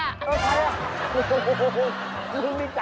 ใครอ่ะ